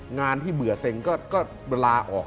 งานที่เบื่อเซ็งก็เวลาออก